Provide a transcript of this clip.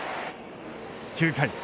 ９回。